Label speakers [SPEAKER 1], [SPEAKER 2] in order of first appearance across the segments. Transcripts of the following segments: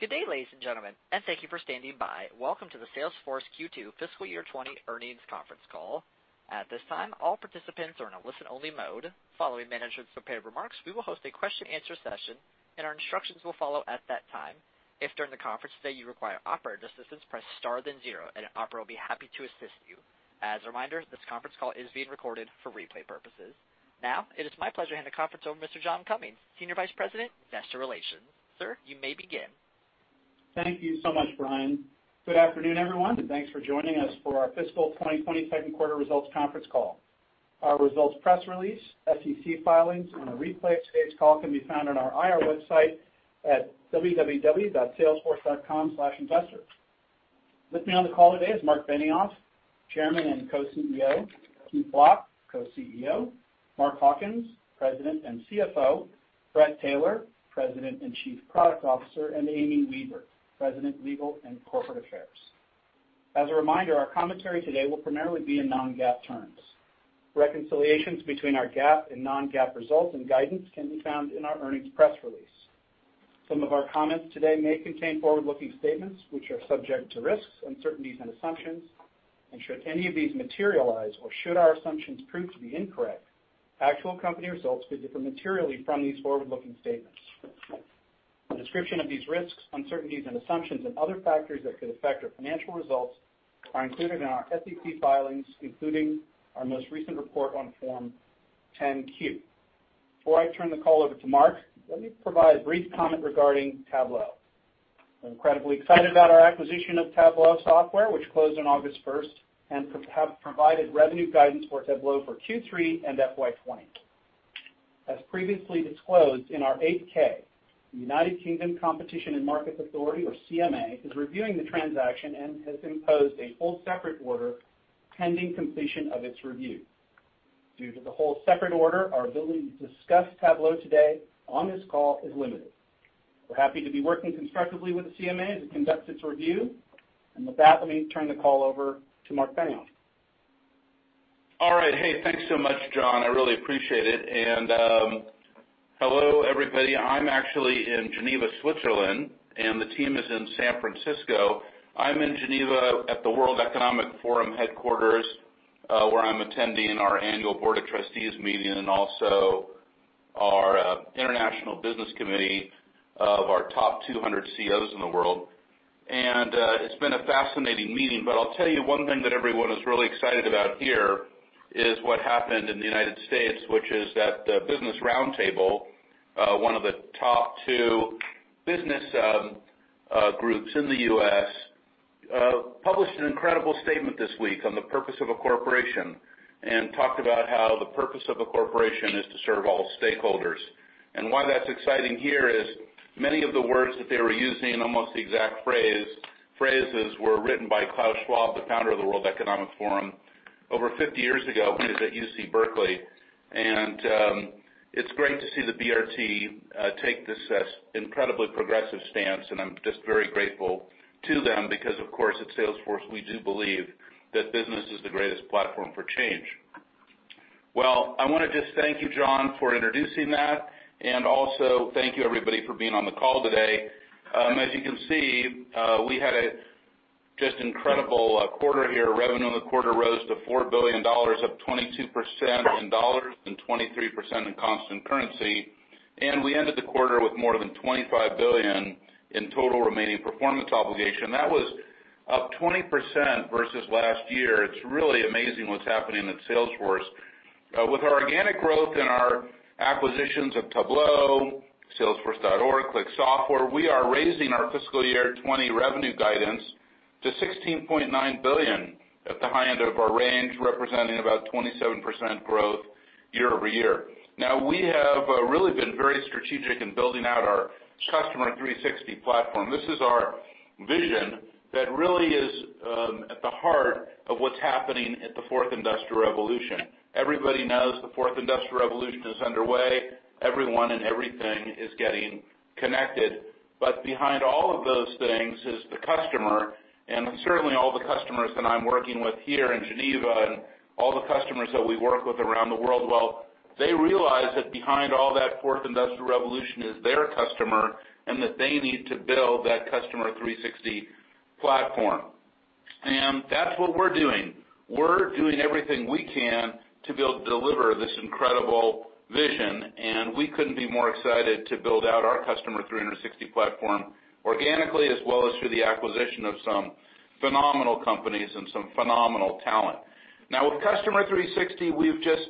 [SPEAKER 1] Good day, ladies and gentlemen, and thank you for standing by. Welcome to the Salesforce Q2 fiscal year 2020 earnings conference call. At this time, all participants are in a listen-only mode. Following management's prepared remarks, we will host a question and answer session, and our instructions will follow at that time. If during the conference today you require operator assistance, press star then zero, and an operator will be happy to assist you. As a reminder, this conference call is being recorded for replay purposes. It is my pleasure to hand the conference over to Mr. John Cummings, Senior Vice President, Investor Relations. Sir, you may begin.
[SPEAKER 2] Thank you so much, Brian. Good afternoon, everyone, and thanks for joining us for our fiscal 2020 second quarter results conference call. Our results press release, SEC filings, and a replay of today's call can be found on our IR website at www.salesforce.com/investor. With me on the call today is Marc Benioff, Chairman and Co-CEO, Keith Block, Co-CEO, Mark Hawkins, President and CFO, Bret Taylor, President and Chief Product Officer, and Amy Weaver, President, Legal and Corporate Affairs. As a reminder, our commentary today will primarily be in non-GAAP terms. Reconciliations between our GAAP and non-GAAP results and guidance can be found in our earnings press release. Some of our comments today may contain forward-looking statements, which are subject to risks, uncertainties, and assumptions, and should any of these materialize or should our assumptions prove to be incorrect, actual company results could differ materially from these forward-looking statements. A description of these risks, uncertainties, and assumptions and other factors that could affect our financial results are included in our SEC filings, including our most recent report on Form 10-Q. Before I turn the call over to Mark, let me provide a brief comment regarding Tableau. I'm incredibly excited about our acquisition of Tableau Software, which closed on August 1st, and have provided revenue guidance for Tableau for Q3 and FY 2020. As previously disclosed in our 8-K, the United Kingdom Competition and Markets Authority, or CMA, is reviewing the transaction and has imposed a whole separate order pending completion of its review. Due to the whole separate order, our ability to discuss Tableau today on this call is limited. We're happy to be working constructively with the CMA as it conducts its review. With that, let me turn the call over to Marc Benioff.
[SPEAKER 3] All right. Hey, thanks so much, John. I really appreciate it. Hello, everybody. I'm actually in Geneva, Switzerland, and the team is in San Francisco. I'm in Geneva at the World Economic Forum headquarters, where I'm attending our annual Board of Trustees meeting and also our International Business Committee of our top 200 CEOs in the world. It's been a fascinating meeting, but I'll tell you one thing that everyone is really excited about here is what happened in the U.S., which is that the Business Roundtable, one of the top two business groups in the U.S., published an incredible statement this week on the purpose of a corporation, and talked about how the purpose of a corporation is to serve all stakeholders. Why that's exciting here is many of the words that they were using, almost the exact phrases, were written by Klaus Schwab, the founder of the World Economic Forum, over 50 years ago when he was at UC Berkeley. It's great to see the BRT take this incredibly progressive stance, and I'm just very grateful to them because, of course, at Salesforce, we do believe that business is the greatest platform for change. Well, I want to just thank you, John, for introducing that, and also thank you, everybody, for being on the call today. As you can see, we had a just incredible quarter here. Revenue in the quarter rose to $4 billion, up 22% in dollars and 23% in constant currency. We ended the quarter with more than $25 billion in total remaining performance obligation. That was up 20% versus last year. It's really amazing what's happening at Salesforce. With our organic growth and our acquisitions of Tableau, Salesforce.org, ClickSoftware, we are raising our fiscal year 2020 revenue guidance to $16.9 billion at the high end of our range, representing about 27% growth year over year. We have really been very strategic in building out our Customer 360 platform. This is our vision that really is at the heart of what's happening at the Fourth Industrial Revolution. Everybody knows the Fourth Industrial Revolution is underway. Everyone and everything is getting connected. Behind all of those things is the customer, and certainly all the customers that I'm working with here in Geneva and all the customers that we work with around the world, well, they realize that behind all that Fourth Industrial Revolution is their customer, and that they need to build that Customer 360 platform. That's what we're doing. We're doing everything we can to be able to deliver this incredible vision, we couldn't be more excited to build out our Customer 360 platform organically, as well as through the acquisition of some phenomenal companies and some phenomenal talent. With Customer 360, we've just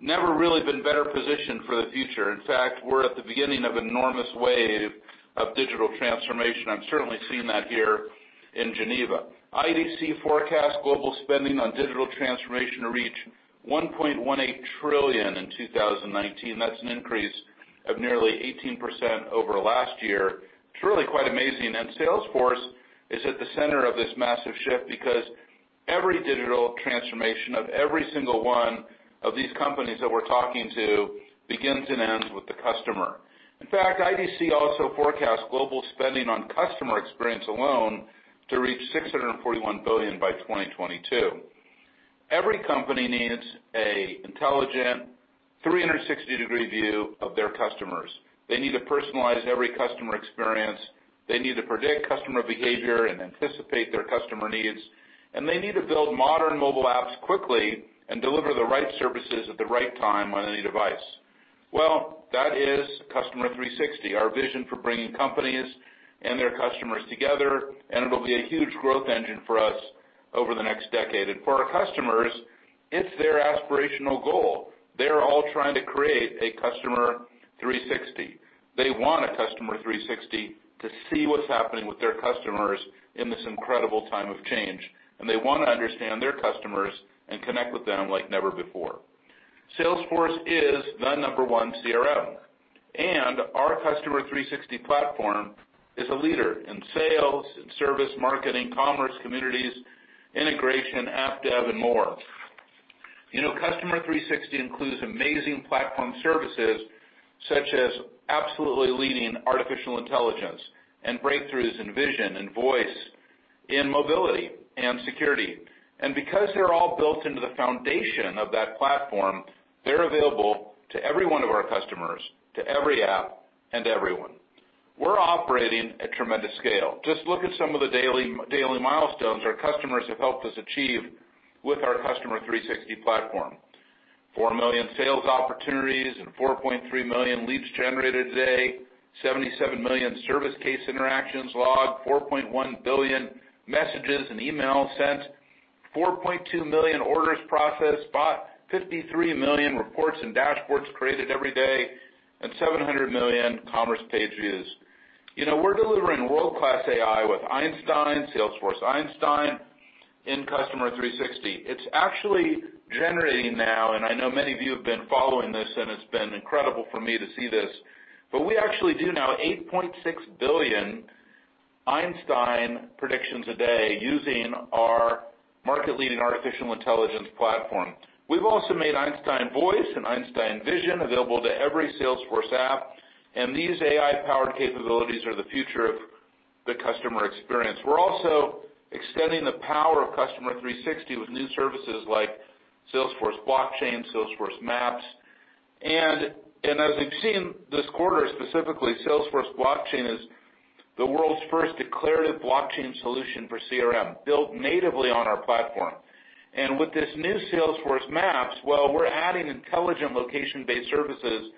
[SPEAKER 3] never really been better positioned for the future. We're at the beginning of an enormous wave of digital transformation. I'm certainly seeing that here in Geneva. IDC forecasts global spending on digital transformation to reach $1.18 trillion in 2019. That's an increase of nearly 18% over last year. It's really quite amazing. Salesforce is at the center of this massive shift because every digital transformation of every single one of these companies that we're talking to begins and ends with the customer. In fact, IDC also forecasts global spending on customer experience alone to reach $641 billion by 2022. Every company needs an intelligent 360-degree view of their customers. They need to personalize every customer experience. They need to predict customer behavior and anticipate their customer needs. They need to build modern mobile apps quickly and deliver the right services at the right time on any device. Well, that is Customer 360, our vision for bringing companies and their customers together. It'll be a huge growth engine for us over the next decade. For our customers, it's their aspirational goal. They're all trying to create a Customer 360. They want a Customer 360 to see what's happening with their customers in this incredible time of change. They want to understand their customers and connect with them like never before. Salesforce is the number one CRM. Our Customer 360 platform is a leader in sales, in service, marketing, commerce, communities, integration, app dev, and more. Customer 360 includes amazing platform services such as absolutely leading artificial intelligence and breakthroughs in vision and voice, in mobility and security. Because they're all built into the foundation of that platform, they're available to every one of our customers, to every app, and to everyone. We're operating at tremendous scale. Just look at some of the daily milestones our customers have helped us achieve with our Customer 360 platform. 4 million sales opportunities and 4.3 million leads generated a day, 77 million service case interactions logged, 4.1 billion messages and emails sent, 4.2 million orders processed, 53 million reports and dashboards created every day, and 700 million commerce page views. We're delivering world-class AI with Einstein, Salesforce Einstein, in Customer 360. It's actually generating now, I know many of you have been following this, and it's been incredible for me to see this, but we actually do now 8.6 billion Einstein predictions a day using our market-leading artificial intelligence platform. We've also made Einstein Voice and Einstein Vision available to every Salesforce app, and these AI-powered capabilities are the future of the customer experience. We're also extending the power of Customer 360 with new services like Salesforce Blockchain, Salesforce Maps. As we've seen this quarter, specifically, Salesforce Blockchain is the world's first declarative blockchain solution for CRM, built natively on our platform. With this new Salesforce Maps, well, we're adding intelligent location-based services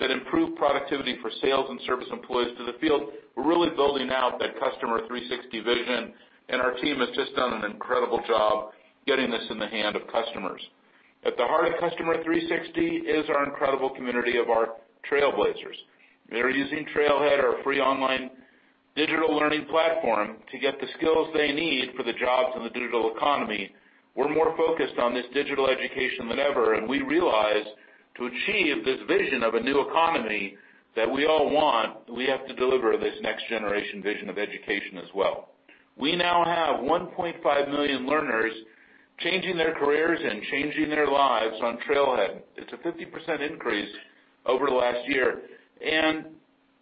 [SPEAKER 3] that improve productivity for sales and service employees to the field. We're really building out that Customer 360 vision, and our team has just done an incredible job getting this in the hands of customers. At the heart of Customer 360 is our incredible community of our trailblazers. They're using Trailhead, our free online digital learning platform, to get the skills they need for the jobs in the digital economy. We're more focused on this digital education than ever, we realize to achieve this vision of a new economy that we all want, we have to deliver this next-generation vision of education as well. We now have 1.5 million learners changing their careers and changing their lives on Trailhead. It's a 50% increase over last year.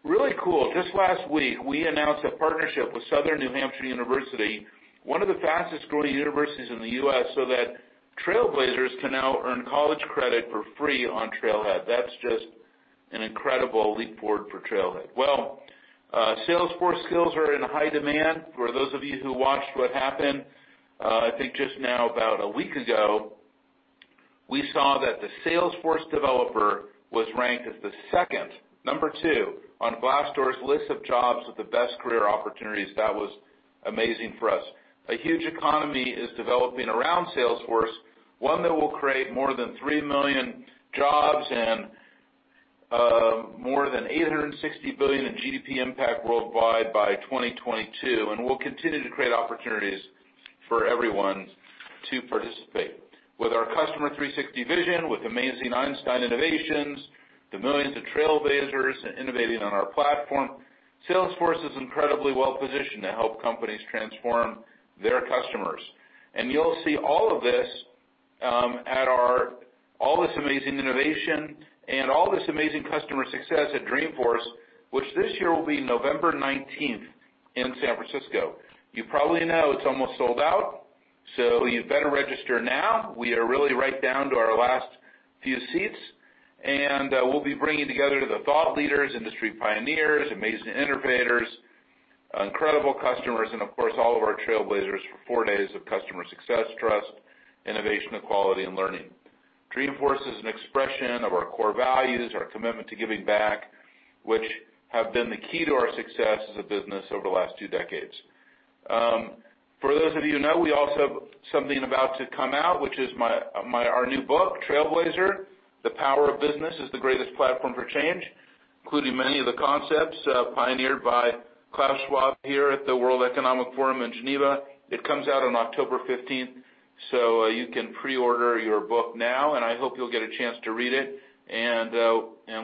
[SPEAKER 3] Really cool, just last week, we announced a partnership with Southern New Hampshire University, one of the fastest-growing universities in the U.S., so that trailblazers can now earn college credit for free on Trailhead. That's just an incredible leap forward for Trailhead. Well, Salesforce skills are in high demand. For those of you who watched what happened, I think just now, about a week ago, we saw that the Salesforce developer was ranked as the second, number 2, on Glassdoor's list of jobs with the best career opportunities. That was amazing for us. A huge economy is developing around Salesforce, one that will create more than 3 million jobs and more than $860 billion in GDP impact worldwide by 2022. We'll continue to create opportunities for everyone to participate. With our Customer 360 vision, with amazing Einstein innovations, the millions of trailblazers innovating on our platform, Salesforce is incredibly well-positioned to help companies transform their customers. You'll see all of this, all this amazing innovation and all this amazing customer success at Dreamforce, which this year will be November 19th in San Francisco. You probably know it's almost sold out, so you better register now. We are really right down to our last few seats, and we'll be bringing together the thought leaders, industry pioneers, amazing innovators, incredible customers, and of course, all of our Trailblazers for 4 days of customer success, trust, innovation, equality, and learning. Dreamforce is an expression of our core values, our commitment to giving back, which have been the key to our success as a business over the last 2 decades. For those of you who know, we also have something about to come out, which is our new book, "Trailblazer: The Power of Business Is the Greatest Platform for Change," including many of the concepts pioneered by Klaus Schwab here at the World Economic Forum in Geneva. It comes out on October 15th, so you can pre-order your book now, and I hope you'll get a chance to read it, and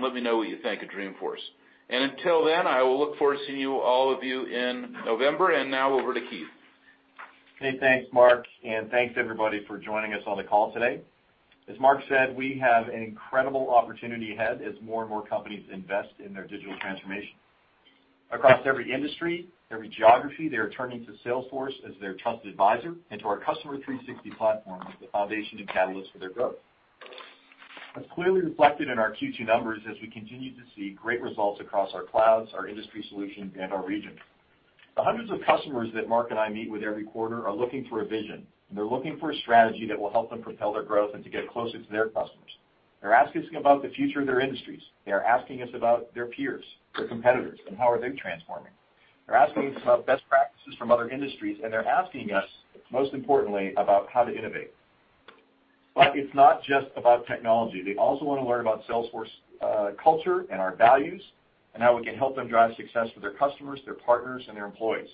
[SPEAKER 3] let me know what you think at Dreamforce. Until then, I will look forward to seeing all of you in November. Now over to Keith.
[SPEAKER 4] Hey, thanks, Mark, and thanks, everybody, for joining us on the call today. As Mark said, we have an incredible opportunity ahead as more and more companies invest in their digital transformation. Across every industry, every geography, they are turning to Salesforce as their trusted advisor and to our Customer 360 platform as the foundation and catalyst for their growth. That's clearly reflected in our Q2 numbers as we continue to see great results across our clouds, our industry solutions, and our regions. The hundreds of customers that Mark and I meet with every quarter are looking for a vision. They're looking for a strategy that will help them propel their growth and to get closer to their customers. They're asking us about the future of their industries. They are asking us about their peers, their competitors, and how are they transforming. They're asking us about best practices from other industries, they're asking us, most importantly, about how to innovate. It's not just about technology. They also want to learn about Salesforce culture and our values, and how we can help them drive success for their customers, their partners, and their employees.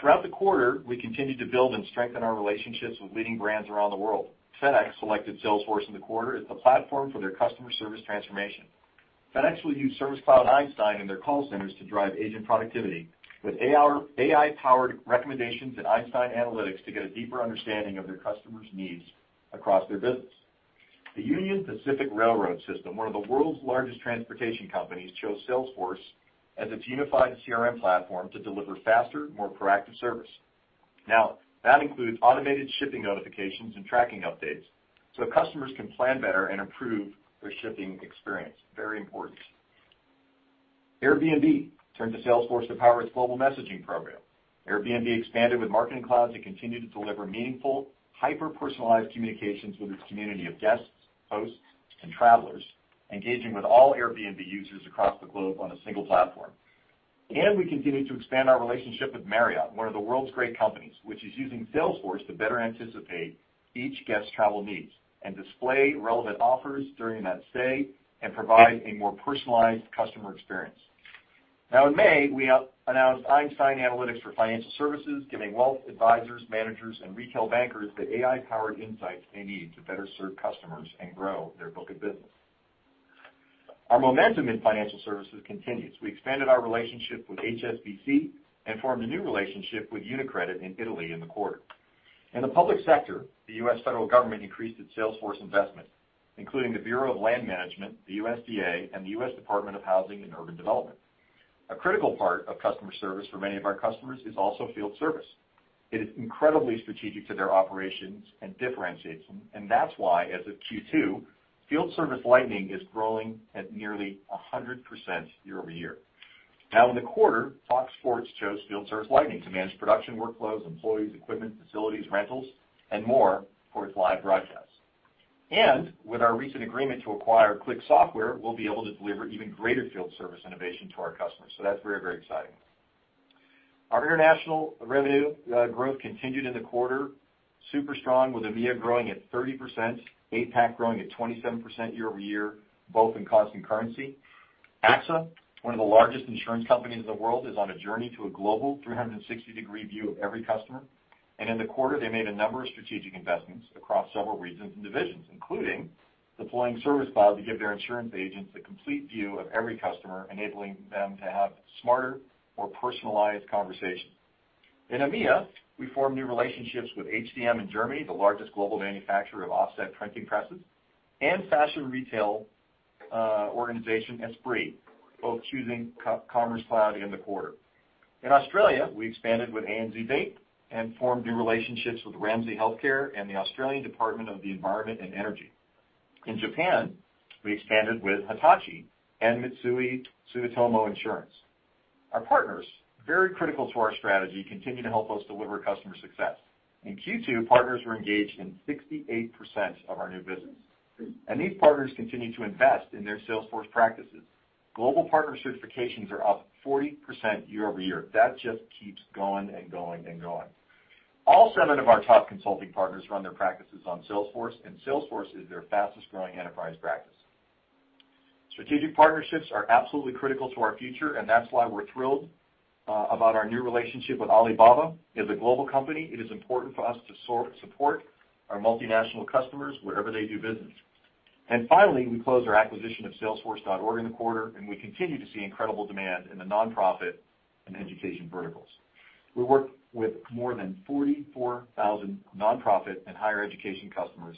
[SPEAKER 4] Throughout the quarter, we continued to build and strengthen our relationships with leading brands around the world. FedEx selected Salesforce in the quarter as the platform for their customer service transformation. FedEx will use Service Cloud and Einstein in their call centers to drive agent productivity with AI-powered recommendations and Einstein Analytics to get a deeper understanding of their customers' needs across their business. The Union Pacific Railroad system, one of the world's largest transportation companies, chose Salesforce as its unified CRM platform to deliver faster, more proactive service. That includes automated shipping notifications and tracking updates so customers can plan better and improve their shipping experience. Very important. Airbnb turned to Salesforce to power its global messaging program. Airbnb expanded with Marketing Cloud to continue to deliver meaningful, hyper-personalized communications with its community of guests, hosts, and travelers, engaging with all Airbnb users across the globe on a single platform. We continued to expand our relationship with Marriott, one of the world's great companies, which is using Salesforce to better anticipate each guest's travel needs and display relevant offers during that stay and provide a more personalized customer experience. In May, we announced Einstein Analytics for Financial Services, giving wealth advisors, managers, and retail bankers the AI-powered insights they need to better serve customers and grow their book of business. Our momentum in financial services continues. We expanded our relationship with HSBC and formed a new relationship with UniCredit in Italy in the quarter. In the public sector, the U.S. federal government increased its Salesforce investment, including the Bureau of Land Management, the USDA, and the U.S. Department of Housing and Urban Development. A critical part of customer service for many of our customers is also field service. It is incredibly strategic to their operations and differentiates them, that's why, as of Q2, Field Service Lightning is growing at nearly 100% year-over-year. In the quarter, Fox Sports chose Field Service Lightning to manage production workflows, employees, equipment, facilities, rentals, and more for its live broadcasts. With our recent agreement to acquire ClickSoftware, we'll be able to deliver even greater field service innovation to our customers. That's very, very exciting. Our international revenue growth continued in the quarter super strong, with EMEA growing at 30%, APAC growing at 27% year-over-year, both in constant currency. AXA, one of the largest insurance companies in the world, is on a journey to a global 360-degree view of every customer. In the quarter, they made a number of strategic investments across several regions and divisions, including deploying Service Cloud to give their insurance agents a complete view of every customer, enabling them to have smarter, more personalized conversations. In EMEA, we formed new relationships with Heidelberger Druckmaschinen in Germany, the largest global manufacturer of offset printing presses, and fashion retail organization Esprit, both choosing Commerce Cloud in the quarter. In Australia, we expanded with ANZ Bank and formed new relationships with Ramsay Health Care and the Australian Department of the Environment and Energy. In Japan, we expanded with Hitachi and Mitsui Sumitomo Insurance. Our partners, very critical to our strategy, continue to help us deliver customer success. In Q2, partners were engaged in 68% of our new business. These partners continue to invest in their Salesforce practices. Global partner certifications are up 40% year-over-year. That just keeps going and going. All seven of our top consulting partners run their practices on Salesforce. Salesforce is their fastest-growing enterprise practice. Strategic partnerships are absolutely critical to our future. That's why we're thrilled about our new relationship with Alibaba. As a global company, it is important for us to support our multinational customers wherever they do business. Finally, we closed our acquisition of Salesforce.org in the quarter. We continue to see incredible demand in the nonprofit and education verticals. We work with more than 44,000 nonprofit and higher education customers,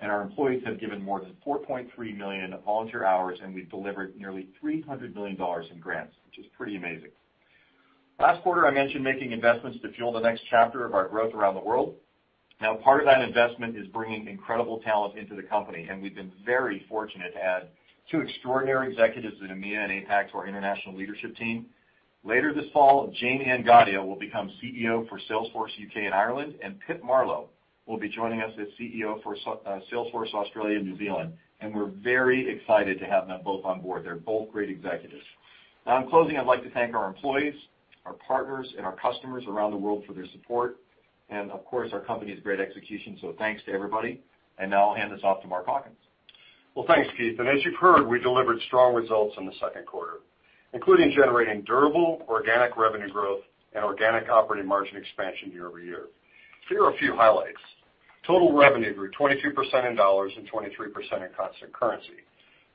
[SPEAKER 4] and our employees have given more than 4.3 million volunteer hours, and we've delivered nearly $300 million in grants, which is pretty amazing. Last quarter, I mentioned making investments to fuel the next chapter of our growth around the world. Part of that investment is bringing incredible talent into the company, and we've been very fortunate to add two extraordinary executives in EMEA and APAC to our international leadership team. Later this fall, Jayne-Anne Gadhia will become CEO for Salesforce U.K. and Ireland, and Pip Marlow will be joining us as CEO for Salesforce Australia and New Zealand, and we're very excited to have them both on board. They're both great executives. Now, in closing, I'd like to thank our employees, our partners, and our customers around the world for their support, and of course, our company's great execution. Thanks to everybody. Now I'll hand this off to Mark Hawkins.
[SPEAKER 5] Well, thanks, Keith. As you've heard, we delivered strong results in the second quarter, including generating durable organic revenue growth and organic operating margin expansion year-over-year. Here are a few highlights. Total revenue grew 23% in dollars and 23% in constant currency.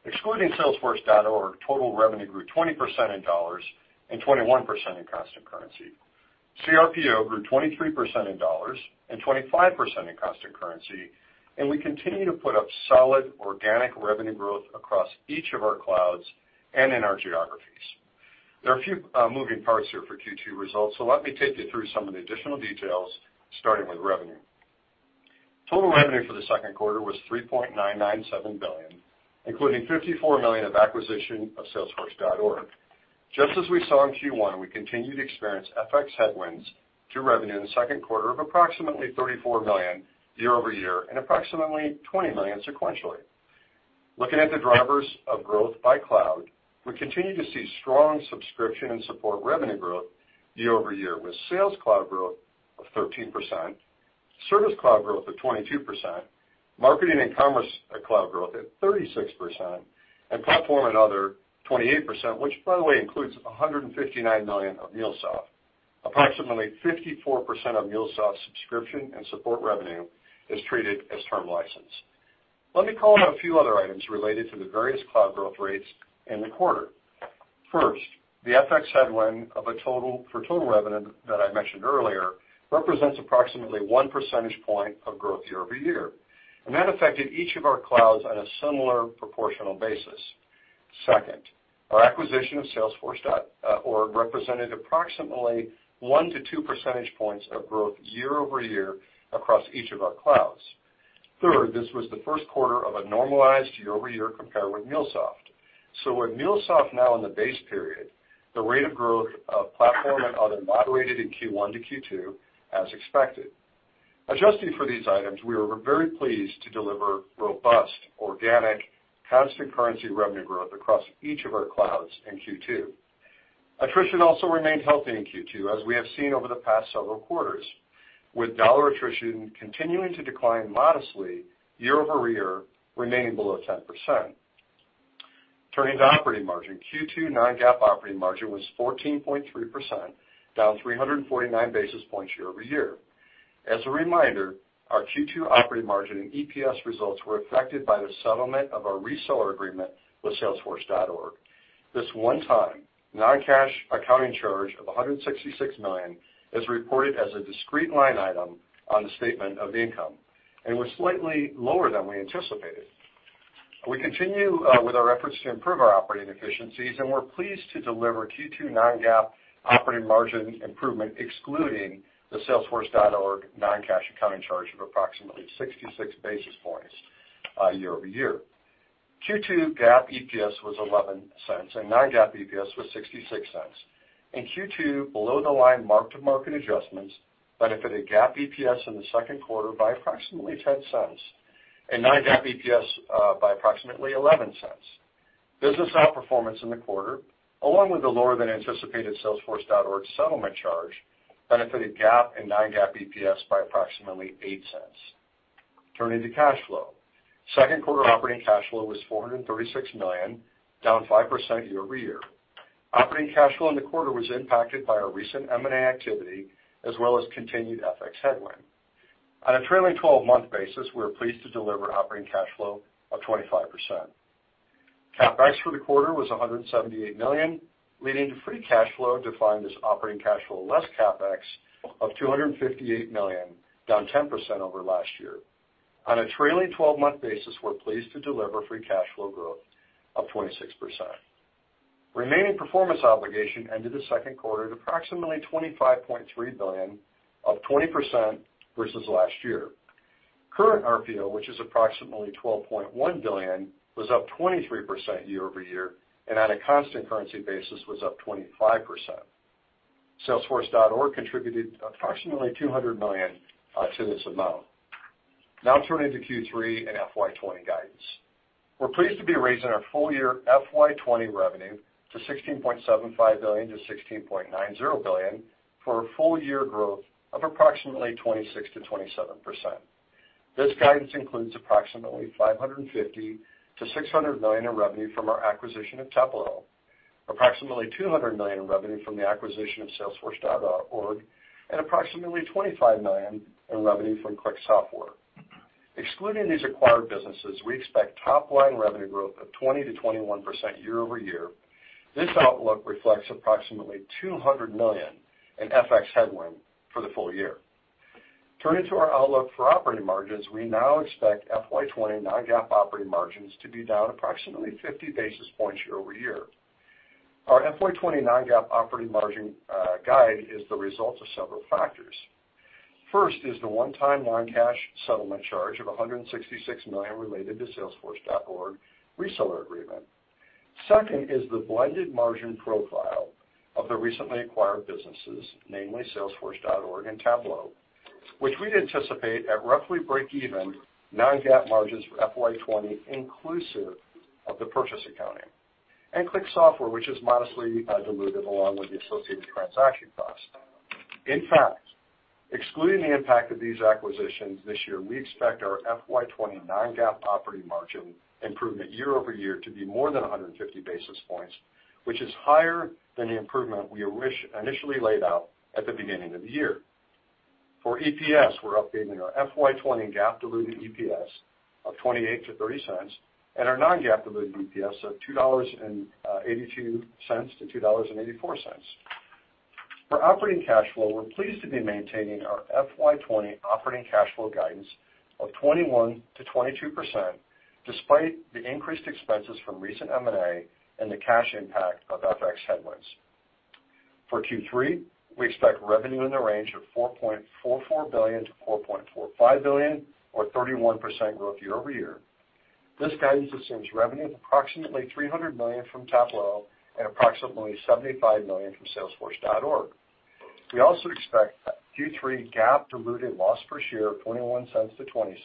[SPEAKER 5] Excluding Salesforce.org, total revenue grew 20% in dollars and 21% in constant currency. CRPO grew 23% in dollars and 25% in constant currency. We continue to put up solid organic revenue growth across each of our clouds and in our geographies. There are a few moving parts here for Q2 results. Let me take you through some of the additional details, starting with revenue. Total revenue for the second quarter was $3.997 billion, including $54 million of acquisition of Salesforce.org. Just as we saw in Q1, we continued to experience FX headwinds to revenue in the second quarter of approximately $34 million year-over-year and approximately $20 million sequentially. Looking at the drivers of growth by Cloud, we continue to see strong subscription and support revenue growth year-over-year, with Sales Cloud growth of 13%, Service Cloud growth of 22%, Marketing and Commerce Cloud growth at 36%, and Platform and other 28%, which by the way, includes $159 million of MuleSoft. Approximately 54% of MuleSoft subscription and support revenue is treated as term license. Let me call out a few other items related to the various Cloud growth rates in the quarter. First, the FX headwind for total revenue that I mentioned earlier represents approximately one percentage point of growth year-over-year, that affected each of our Clouds on a similar proportional basis. Second, our acquisition of Salesforce.org represented approximately 1-2 percentage points of growth year-over-year across each of our clouds. Third, this was the first quarter of a normalized year-over-year compare with MuleSoft. With MuleSoft now in the base period, the rate of growth of platform and other moderated in Q1 to Q2 as expected. Adjusting for these items, we were very pleased to deliver robust, organic, constant currency revenue growth across each of our clouds in Q2. Attrition also remained healthy in Q2, as we have seen over the past several quarters, with dollar attrition continuing to decline modestly year-over-year, remaining below 10%. Turning to operating margin. Q2 non-GAAP operating margin was 14.3%, down 349 basis points year-over-year. As a reminder, our Q2 operating margin and EPS results were affected by the settlement of our reseller agreement with Salesforce.org. This one-time, non-cash accounting charge of $166 million is reported as a discrete line item on the statement of income and was slightly lower than we anticipated. We continue with our efforts to improve our operating efficiencies, and we're pleased to deliver Q2 non-GAAP operating margin improvement, excluding the Salesforce.org non-cash accounting charge of approximately 66 basis points year over year. Q2 GAAP EPS was $0.11, and non-GAAP EPS was $0.66. In Q2, below the line mark-to-market adjustments benefited GAAP EPS in the second quarter by approximately $0.10 and non-GAAP EPS by approximately $0.11. Business outperformance in the quarter, along with the lower than anticipated Salesforce.org settlement charge, benefited GAAP and non-GAAP EPS by approximately $0.08. Turning to cash flow. Second quarter operating cash flow was $436 million, down 5% year over year. Operating cash flow in the quarter was impacted by our recent M&A activity, as well as continued FX headwind. On a trailing 12-month basis, we're pleased to deliver operating cash flow of 25%. CapEx for the quarter was $178 million, leading to free cash flow defined as operating cash flow less CapEx of $258 million, down 10% over last year. On a trailing 12-month basis, we're pleased to deliver free cash flow growth of 26%. Remaining performance obligation ended the second quarter at approximately $25.3 billion, up 20% versus last year. Current RPO, which is approximately $12.1 billion, was up 23% year-over-year, and on a constant currency basis was up 25%. Salesforce.org contributed approximately $200 million to this amount. Now turning to Q3 and FY 2020 guidance. We're pleased to be raising our full year FY 2020 revenue to $16.75 billion-$16.90 billion for a full-year growth of approximately 26%-27%. This guidance includes approximately $550 million-$600 million in revenue from our acquisition of Tableau, approximately $200 million in revenue from the acquisition of Salesforce.org, and approximately $25 million in revenue from ClickSoftware. Excluding these acquired businesses, we expect top line revenue growth of 20%-21% year-over-year. This outlook reflects approximately $200 million in FX headwind for the full year. Turning to our outlook for operating margins, we now expect FY 2020 non-GAAP operating margins to be down approximately 50 basis points year-over-year. Our FY 2020 non-GAAP operating margin guide is the result of several factors. First is the one-time non-cash settlement charge of $166 million related to Salesforce.org reseller agreement. Second is the blended margin profile of the recently acquired businesses, namely Salesforce.org and Tableau, which we'd anticipate at roughly breakeven non-GAAP margins for FY 2020, inclusive of the purchase accounting, and ClickSoftware, which is modestly dilutive along with the associated transaction costs. In fact, excluding the impact of these acquisitions this year, we expect our FY 2020 non-GAAP operating margin improvement year-over-year to be more than 150 basis points, which is higher than the improvement we initially laid out at the beginning of the year. For EPS, we're updating our FY 2020 GAAP diluted EPS of $0.28-$0.30 and our non-GAAP diluted EPS of $2.82-$2.84. For operating cash flow, we're pleased to be maintaining our FY 2020 operating cash flow guidance of 21%-22%, despite the increased expenses from recent M&A and the cash impact of FX headwinds. For Q3, we expect revenue in the range of $4.44 billion-$4.45 billion, or 31% growth year-over-year. This guidance assumes revenue of approximately $300 million from Tableau and approximately $75 million from Salesforce.org. We also expect Q3 GAAP diluted loss per share of $0.21-$0.20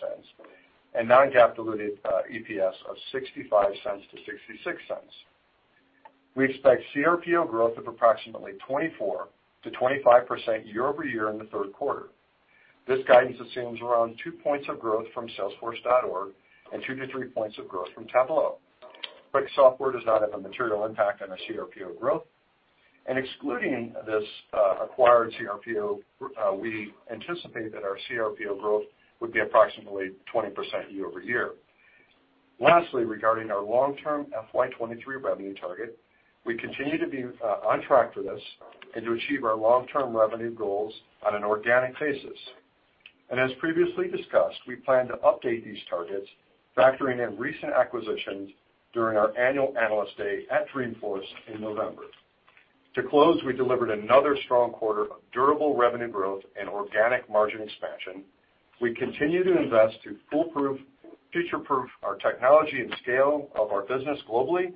[SPEAKER 5] and non-GAAP diluted EPS of $0.65-$0.66. We expect CRPO growth of approximately 24%-25% year-over-year in the third quarter. This guidance assumes around two points of growth from Salesforce.org and two to three points of growth from Tableau. ClickSoftware does not have a material impact on our CRPO growth. Excluding this acquired CRPO, we anticipate that our CRPO growth would be approximately 20% year-over-year. Lastly, regarding our long-term FY 2023 revenue target, we continue to be on track for this and to achieve our long-term revenue goals on an organic basis. As previously discussed, we plan to update these targets, factoring in recent acquisitions during our annual Analyst Day at Dreamforce in November. To close, we delivered another strong quarter of durable revenue growth and organic margin expansion. We continue to invest to future-proof our technology and scale of our business globally.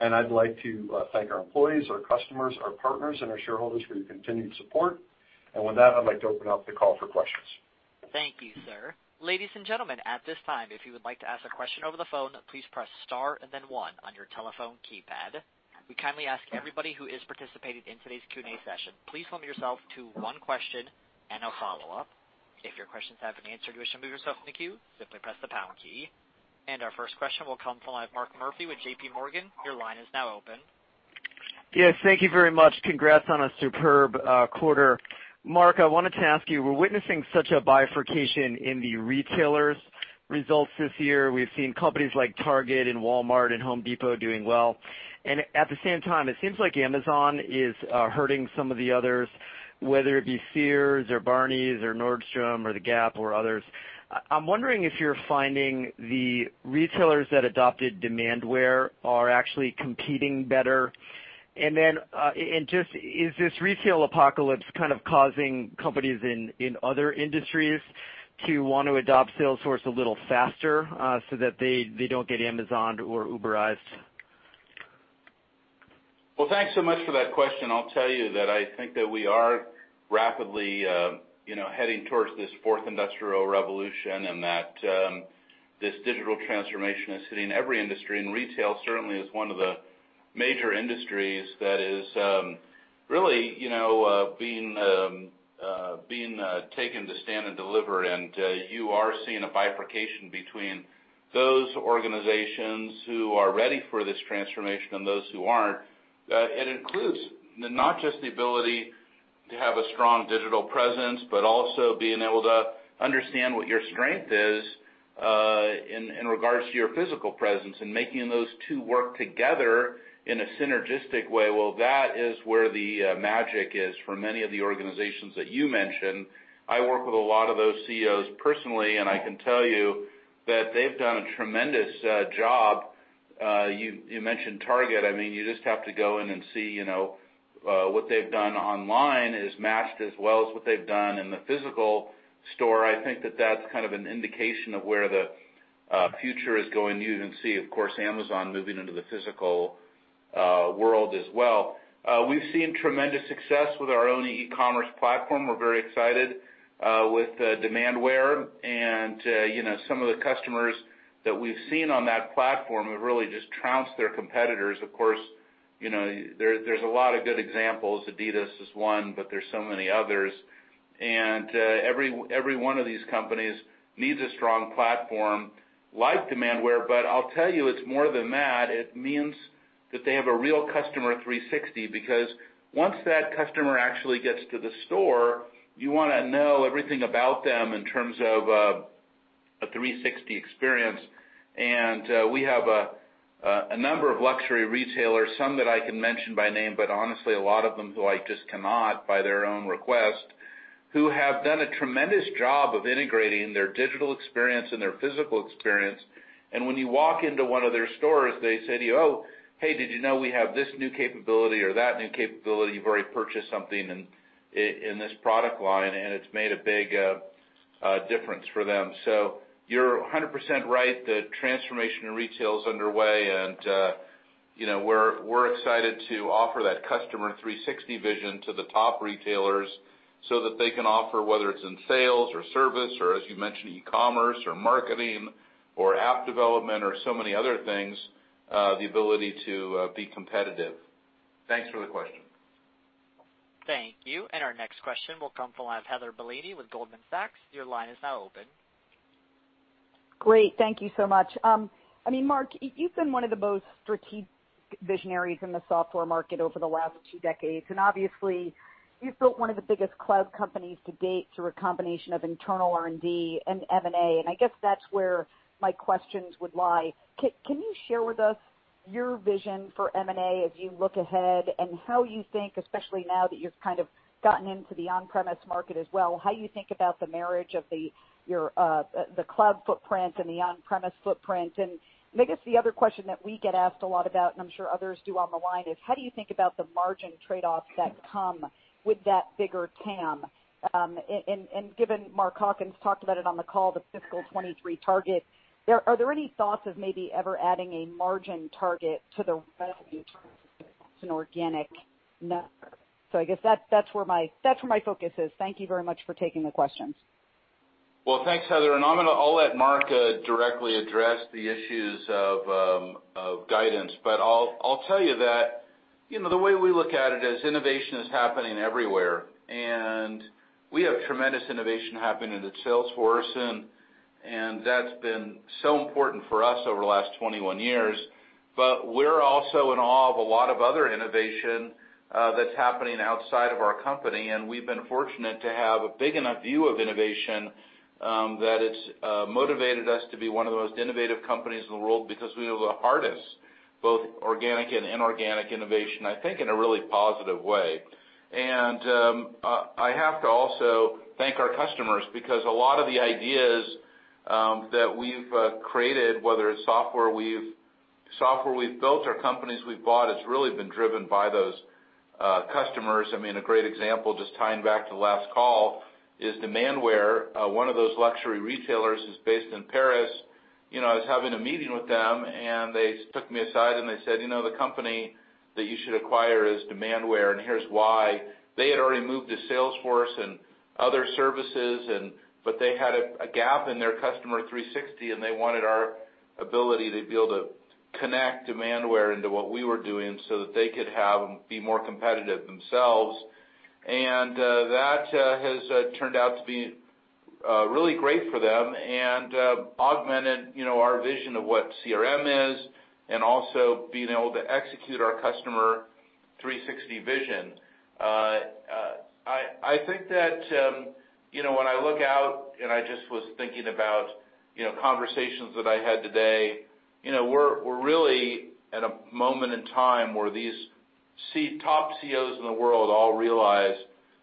[SPEAKER 5] I'd like to thank our employees, our customers, our partners, and our shareholders for your continued support. With that, I'd like to open up the call for questions.
[SPEAKER 1] Thank you, sir. Ladies and gentlemen, at this time, if you would like to ask a question over the phone, please press star and then one on your telephone keypad. We kindly ask everybody who is participating in today's Q&A session, please limit yourself to one question and a follow-up. If your questions have been answered or wish to move yourself in the queue, simply press the pound key. Our first question will come from Mark Murphy with J.P. Morgan. Your line is now open.
[SPEAKER 6] Yes. Thank you very much. Congrats on a superb quarter. Mark, I wanted to ask you, we're witnessing such a bifurcation in the retailers' results this year. We've seen companies like Target and Walmart and The Home Depot doing well. At the same time, it seems like Amazon is hurting some of the others, whether it be Sears or Barneys or Nordstrom or The Gap or others. I'm wondering if you're finding the retailers that adopted Demandware are actually competing better. Then, is this retail apocalypse kind of causing companies in other industries to want to adopt Salesforce a little faster, so that they don't get Amazoned or Uberized?
[SPEAKER 3] Well, thanks so much for that question. I'll tell you that I think that we are rapidly heading towards this Fourth Industrial Revolution and that this digital transformation is hitting every industry, and retail certainly is one of the major industries that is really being taken to stand and deliver. You are seeing a bifurcation between those organizations who are ready for this transformation and those who aren't. It includes not just the ability to have a strong digital presence, but also being able to understand what your strength is, in regards to your physical presence and making those two work together in a synergistic way. Well, that is where the magic is for many of the organizations that you mentioned. I work with a lot of those CEOs personally, and I can tell you that they've done a tremendous job. You mentioned Target. You just have to go in and see what they've done online is matched as well as what they've done in the physical store. I think that that's kind of an indication of where the future is going. You can see, of course, Amazon moving into the physical world as well. We've seen tremendous success with our own e-commerce platform. We're very excited with Demandware. Some of the customers that we've seen on that platform have really just trounced their competitors. Of course, there's a lot of good examples. Adidas is one, but there's so many others. Every one of these companies needs a strong platform like Demandware. I'll tell you, it's more than that. It means that they have a real Customer 360, because once that customer actually gets to the store, you want to know everything about them in terms of a 360 experience. We have a number of luxury retailers, some that I can mention by name, but honestly, a lot of them who I just cannot, by their own request, who have done a tremendous job of integrating their digital experience and their physical experience. When you walk into one of their stores, they say to you, "Oh, hey, did you know we have this new capability or that new capability? You've already purchased something in this product line," and it's made a big difference for them. You're 100% right. The transformation in retail is underway, and we're excited to offer that Customer 360 vision to the top retailers so that they can offer, whether it's in sales or service or as you mentioned, e-commerce or marketing or app development or so many other things, the ability to be competitive. Thanks for the question.
[SPEAKER 1] Thank you. Our next question will come from Heather Bellini with Goldman Sachs. Your line is now open.
[SPEAKER 7] Great. Thank you so much. Marc, you've been one of the most strategic visionaries in the software market over the last two decades, and obviously you've built one of the biggest cloud companies to date through a combination of internal R&D and M&A, and I guess that's where my questions would lie. Can you share with us your vision for M&A as you look ahead, and how you think, especially now that you've kind of gotten into the on-premise market as well, how you think about the marriage of the cloud footprint and the on-premise footprint? I guess the other question that we get asked a lot about, and I'm sure others do on the line, is how do you think about the margin trade-offs that come with that bigger TAM? Given Mark Hawkins talked about it on the call, the fiscal 2023 target, are there any thoughts of maybe ever adding a margin target to the revenue in terms of an organic number? I guess that's where my focus is. Thank you very much for taking the questions.
[SPEAKER 3] Well, thanks, Heather, I'll let Mark directly address the issues of guidance. I'll tell you that the way we look at it is innovation is happening everywhere, and we have tremendous innovation happening at Salesforce, and that's been so important for us over the last 21 years. We're also in awe of a lot of other innovation that's happening outside of our company, and we've been fortunate to have a big enough view of innovation, that it's motivated us to be one of the most innovative companies in the world because we have the hardest, both organic and inorganic innovation, I think, in a really positive way. I have to also thank our customers, because a lot of the ideas that we've created, whether it's software we've built or companies we've bought, it's really been driven by those customers. A great example, just tying back to the last call, is Demandware. One of those luxury retailers is based in Paris. I was having a meeting with them, and they took me aside, and they said, "The company that you should acquire is Demandware, and here's why." They had already moved to Salesforce and other services, but they had a gap in their Customer 360, and they wanted our ability to be able to connect Demandware into what we were doing so that they could be more competitive themselves. That has turned out to be really great for them and augmented our vision of what CRM is and also being able to execute our Customer 360 vision. I think that when I look out and I just was thinking about conversations that I had today, we're really at a moment in time where these top CEOs in the world all realize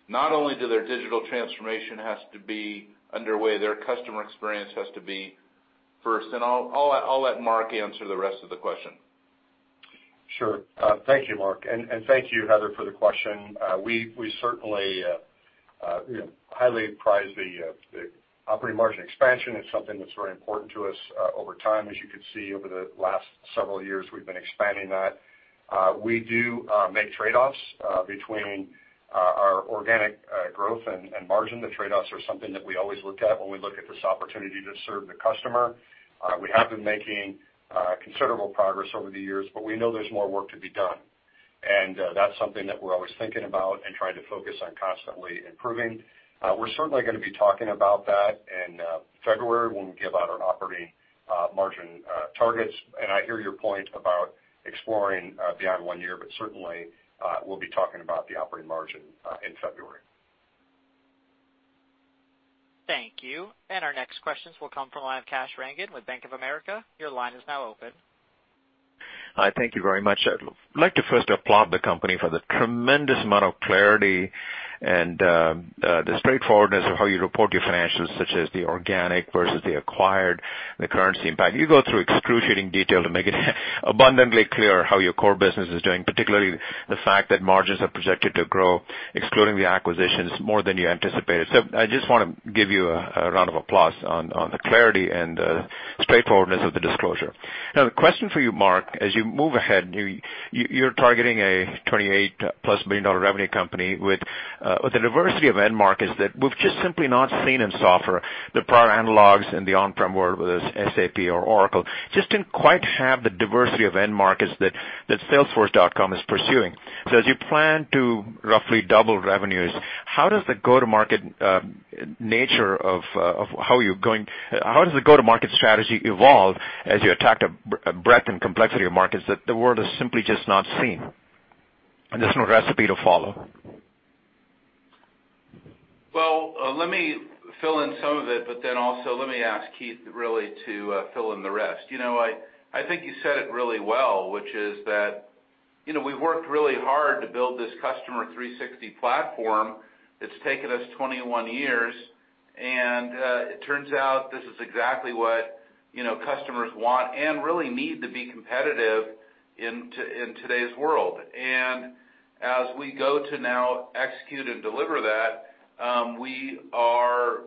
[SPEAKER 3] not only do their digital transformation has to be underway, their customer experience has to be first, and I'll let Mark answer the rest of the question.
[SPEAKER 5] Sure. Thank you, Marc, and thank you, Heather, for the question. We certainly highly prize the operating margin expansion. It's something that's very important to us over time. As you could see, over the last several years, we've been expanding that. We do make trade-offs between our organic growth and margin. The trade-offs are something that we always look at when we look at this opportunity to serve the customer. We have been making considerable progress over the years, but we know there's more work to be done, and that's something that we're always thinking about and trying to focus on constantly improving. We're certainly going to be talking about that in February when we give out our operating margin targets. I hear your point about exploring beyond one year, but certainly, we'll be talking about the operating margin in February.
[SPEAKER 1] Thank you. Our next questions will come from the line of Kash Rangan with Bank of America. Your line is now open.
[SPEAKER 8] Hi, thank you very much. I'd like to first applaud the company for the tremendous amount of clarity and the straightforwardness of how you report your financials, such as the organic versus the acquired, the currency impact. You go through excruciating detail to make it abundantly clear how your core business is doing, particularly the fact that margins are projected to grow, excluding the acquisitions more than you anticipated. I just want to give you a round of applause on the clarity and the straightforwardness of the disclosure. Now, the question for you, Marc, as you move ahead, you're targeting a $28-plus billion-dollar revenue company with a diversity of end markets that we've just simply not seen in software. The prior analogs in the on-prem world, whether it's SAP or Oracle, just didn't quite have the diversity of end markets that salesforce.com is pursuing. As you plan to roughly double revenues, how does the go-to-market strategy evolve as you attack a breadth and complexity of markets that the world has simply just not seen? There's no recipe to follow.
[SPEAKER 3] Well, let me fill in some of it, also let me ask Keith really to fill in the rest. I think you said it really well, which is that we've worked really hard to build this Customer 360 platform. It's taken us 21 years, it turns out this is exactly what customers want and really need to be competitive in today's world. As we go to now execute and deliver that, we are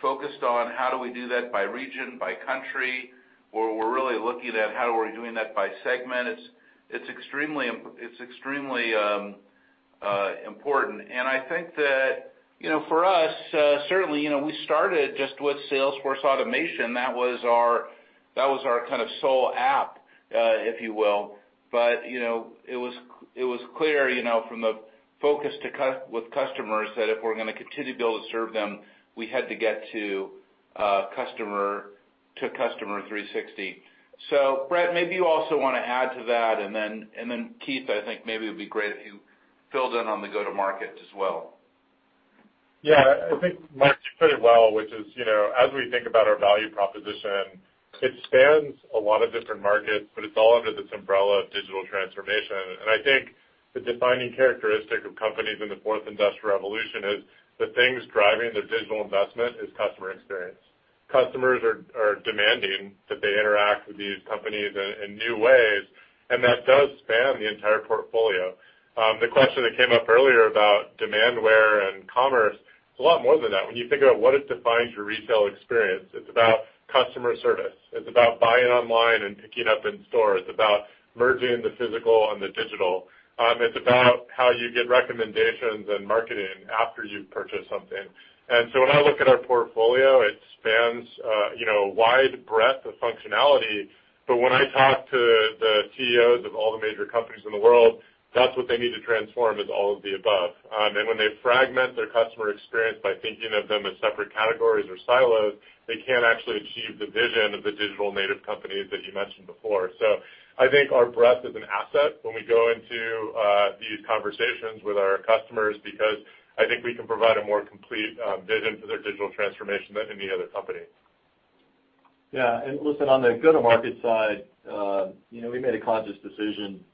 [SPEAKER 3] focused on how do we do that by region, by country, where we're really looking at how are we doing that by segment. It's extremely important. I think that for us, certainly, we started just with Salesforce automation. That was our kind of sole app, if you will. But it was clear from the focus with customers that if we're going to continue to be able to serve them, we had to get to Customer 360. Bret, maybe you also want to add to that, and then, Keith, I think maybe it would be great if you filled in on the go-to-market as well.
[SPEAKER 9] I think Mark said it well, which is, as we think about our value proposition, it spans a lot of different markets, but it's all under this umbrella of digital transformation. I think the defining characteristic of companies in the Fourth Industrial Revolution is the things driving their digital investment is customer experience. Customers are demanding that they interact with these companies in new ways, that does span the entire portfolio. The question that came up earlier about Demandware and commerce, it's a lot more than that. When you think about what defines your retail experience, it's about customer service. It's about buying online and picking up in store. It's about merging the physical and the digital. It's about how you get recommendations and marketing after you've purchased something. When I look at our portfolio, it spans a wide breadth of functionality. When I talk to the CEOs of all the major companies in the world, that's what they need to transform, is all of the above. When they fragment their customer experience by thinking of them as separate categories or silos, they can't actually achieve the vision of the digital native companies that you mentioned before. I think our breadth is an asset when we go into these conversations with our customers, because I think we can provide a more complete vision for their digital transformation than any other company.
[SPEAKER 4] Yeah. Listen, on the go-to-market side, we made a conscious decision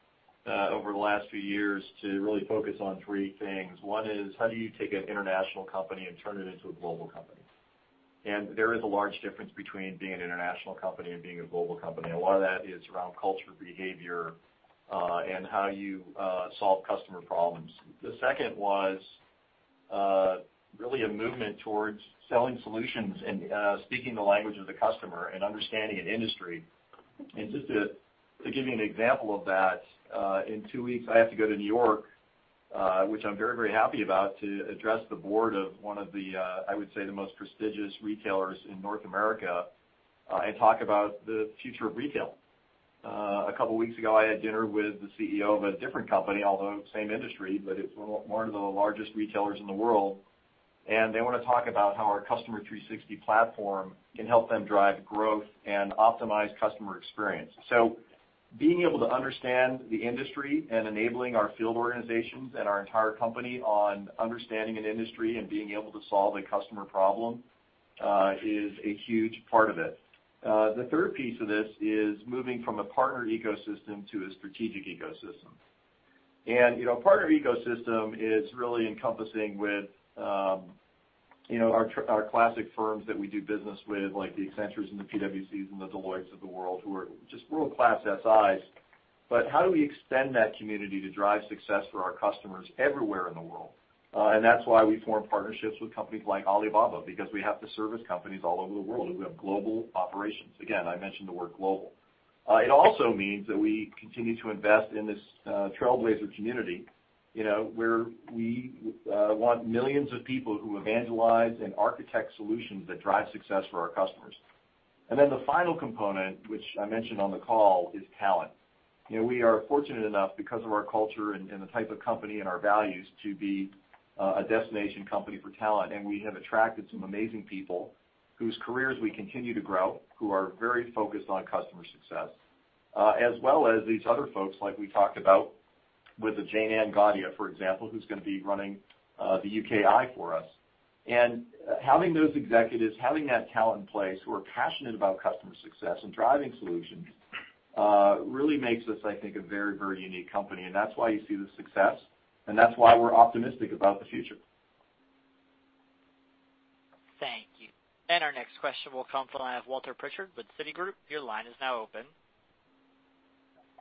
[SPEAKER 4] over the last few years to really focus on three things. One is, how do you take an international company and turn it into a global company? There is a large difference between being an international company and being a global company, and a lot of that is around culture, behavior, and how you solve customer problems. The second was really a movement towards selling solutions and speaking the language of the customer and understanding an industry. Just to give you an example of that, in two weeks, I have to go to New York, which I'm very happy about, to address the board of one of the, I would say, the most prestigious retailers in North America, and talk about the future of retail. A couple of weeks ago, I had dinner with the CEO of a different company, although same industry, but it's one of the largest retailers in the world. They want to talk about how our Customer 360 platform can help them drive growth and optimize customer experience. Being able to understand the industry and enabling our field organizations and our entire company on understanding an industry and being able to solve a customer problem, is a huge part of it. The third piece of this is moving from a partner ecosystem to a strategic ecosystem. Partner ecosystem is really encompassing with our classic firms that we do business with, like the Accentures and the PWCs and the Deloittes of the world, who are just world-class SIs. How do we extend that community to drive success for our customers everywhere in the world? That's why we form partnerships with companies like Alibaba, because we have to service companies all over the world, and we have global operations. Again, I mentioned the word global. It also means that we continue to invest in this Trailblazer community, where we want millions of people who evangelize and architect solutions that drive success for our customers. The final component, which I mentioned on the call, is talent. We are fortunate enough, because of our culture and the type of company and our values, to be a destination company for talent. We have attracted some amazing people whose careers we continue to grow, who are very focused on customer success, as well as these other folks like we talked about, with a Jayne-Anne Gadhia, for example, who's going to be running the UKI for us. Having those executives, having that talent in place who are passionate about customer success and driving solutions, really makes us, I think, a very unique company. That's why you see the success, and that's why we're optimistic about the future.
[SPEAKER 1] Thank you. Our next question will come from the line of Walter Pritchard with Citigroup. Your line is now open.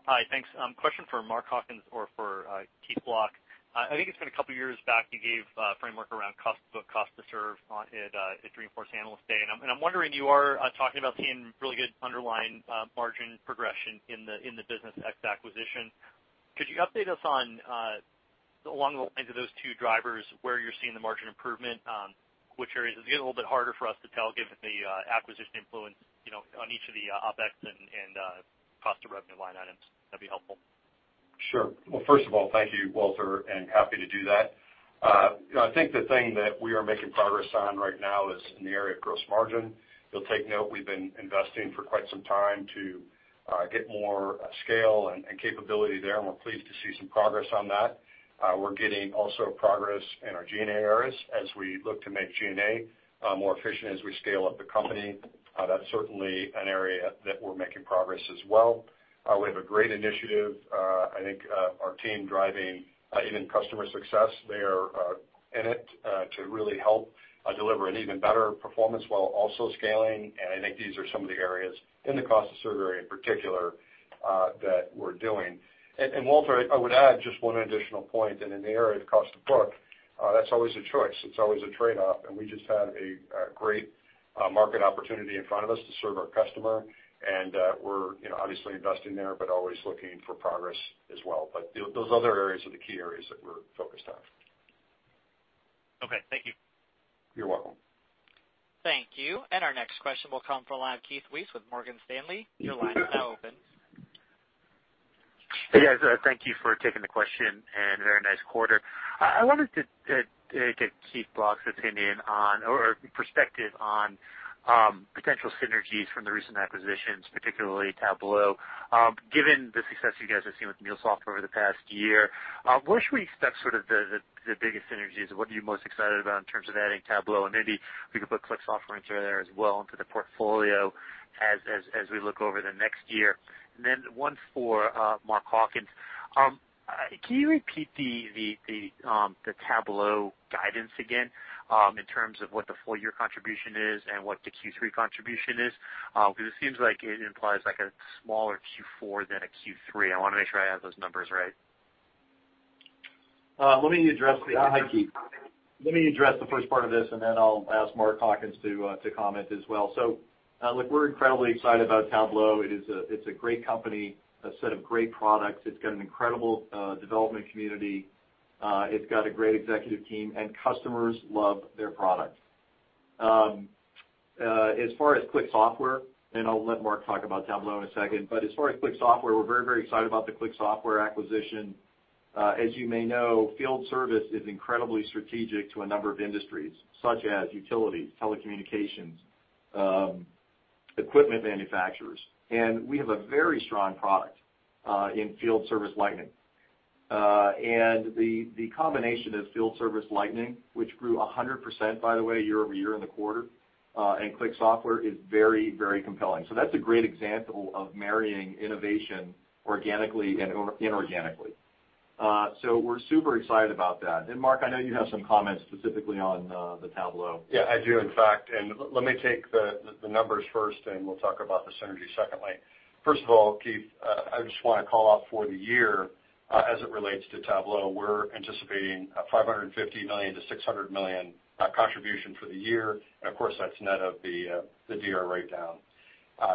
[SPEAKER 10] Hi. Thanks. Question for Mark Hawkins or for Keith Block. I think it's been a couple of years back, you gave a framework around cost to book, cost to serve at Dreamforce Analyst Day. I'm wondering, you are talking about seeing really good underlying margin progression in the business ex acquisition. Could you update us on, along the lines of those two drivers, where you're seeing the margin improvement, which areas? It's getting a little bit harder for us to tell given the acquisition influence on each of the OpEx and cost of revenue line items. That'd be helpful.
[SPEAKER 5] Sure. Well, first of all, thank you, Walter, and happy to do that. I think the thing that we are making progress on right now is in the area of gross margin. You'll take note, we've been investing for quite some time to get more scale and capability there, and we're pleased to see some progress on that. We're getting also progress in our G&A areas as we look to make G&A more efficient as we scale up the company. That's certainly an area that we're making progress as well. We have a great initiative. I think our team driving even customer success, they are in it to really help deliver an even better performance while also scaling. I think these are some of the areas in the cost to serve area in particular, that we're doing.
[SPEAKER 4] Walter, I would add just one additional point, and in the area of cost to book, that's always a choice. It's always a trade-off. We just had a great market opportunity in front of us to serve our customer, and we're obviously investing there, but always looking for progress as well. Those other areas are the key areas that we're focused on.
[SPEAKER 10] Okay. Thank you.
[SPEAKER 5] You're welcome.
[SPEAKER 1] Thank you. Our next question will come from the line of Keith Weiss with Morgan Stanley. Your line is now open.
[SPEAKER 11] Hey, guys. Thank you for taking the question, very nice quarter. I wanted to get Keith Block's opinion on or perspective on potential synergies from the recent acquisitions, particularly Tableau. Given the success you guys have seen with MuleSoft over the past year, where should we expect the biggest synergies? What are you most excited about in terms of adding Tableau? Maybe we could put ClickSoftware in there as well into the portfolio as we look over the next year. One for Mark Hawkins. Can you repeat the Tableau guidance again, in terms of what the full-year contribution is and what the Q3 contribution is? It seems like it implies a smaller Q4 than a Q3. I want to make sure I have those numbers right.
[SPEAKER 4] Let me address Hi, Keith. Let me address the first part of this. Then I'll ask Mark Hawkins to comment as well. Look, we're incredibly excited about Tableau. It's a great company, a set of great products. It's got an incredible development community. It's got a great executive team. Customers love their product. As far as ClickSoftware, I'll let Mark talk about Tableau in a second. As far as ClickSoftware, we're very excited about the ClickSoftware acquisition. As you may know, field service is incredibly strategic to a number of industries, such as utilities, telecommunications, equipment manufacturers. We have a very strong product in Field Service Lightning. The combination of Field Service Lightning, which grew 100%, by the way, year-over-year in the quarter, and ClickSoftware is very compelling. That's a great example of marrying innovation organically and inorganically. We're super excited about that. Mark, I know you have some comments specifically on the Tableau.
[SPEAKER 5] Yeah, I do, in fact, and let me take the numbers first, and we'll talk about the synergy secondly. First of all, Keith, I just want to call out for the year, as it relates to Tableau, we're anticipating a $550 million-$600 million contribution for the year, and of course, that's net of the DR write-down,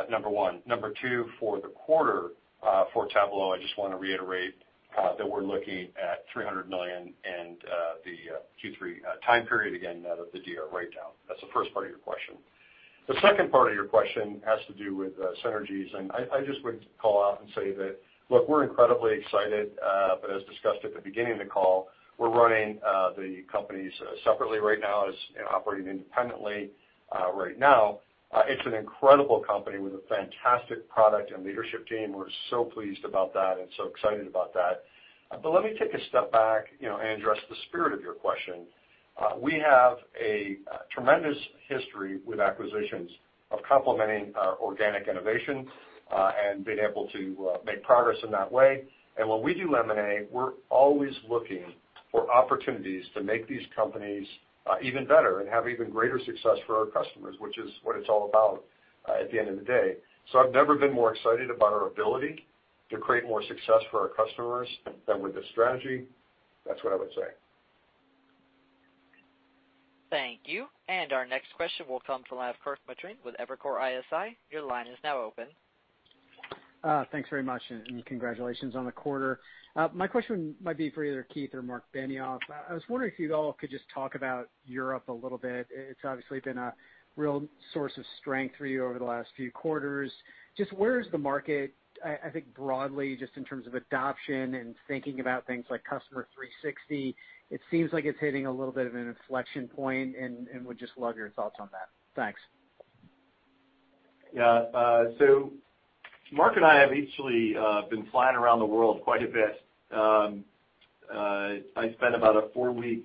[SPEAKER 5] number one. Number two, for the quarter for Tableau, I just want to reiterate that we're looking at $300 million and the Q3 time period, again, net of the DR write-down. That's the first part of your question. The second part of your question has to do with synergies, and I just would call out and say that, look, we're incredibly excited. As discussed at the beginning of the call, we're running the companies separately right now, as operating independently right now. It's an incredible company with a fantastic product and leadership team. We're so pleased about that and so excited about that. Let me take a step back and address the spirit of your question. We have a tremendous history with acquisitions of complementing our organic innovation, and being able to make progress in that way. When we do M&A, we're always looking for opportunities to make these companies even better and have even greater success for our customers, which is what it's all about at the end of the day. I've never been more excited about our ability to create more success for our customers than with this strategy. That's what I would say.
[SPEAKER 1] Thank you. Our next question will come from the line of Kirk Materne with Evercore ISI. Your line is now open.
[SPEAKER 12] Thanks very much. Congratulations on the quarter. My question might be for either Keith or Marc Benioff. I was wondering if you all could just talk about Europe a little bit. It's obviously been a real source of strength for you over the last few quarters. Just where is the market? I think broadly, just in terms of adoption and thinking about things like Customer 360, it seems like it's hitting a little bit of an inflection point and would just love your thoughts on that. Thanks.
[SPEAKER 4] Yeah. Mark and I have actually been flying around the world quite a bit. I spent about a four-week